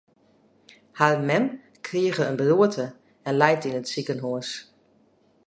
Har mem krige in beroerte en leit yn it sikehús.